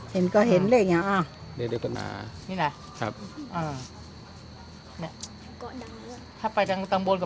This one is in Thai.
เห็นก็เห็นเลขน่ะอ่ะนี่แหละครับอ่าเนี่ยถ้าไปตั้งตั้งบนก็